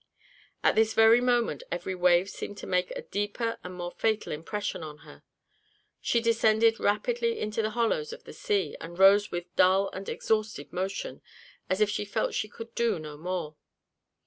At this moment every wave seemed to make a deeper and more fatal impression on her. She descended rapidly in the hollows of the sea, and rose with dull and exhausted motion, as if she felt she could do no more.